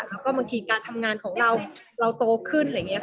แล้วก็บางทีการทำงานของเราเราโตขึ้นอะไรอย่างนี้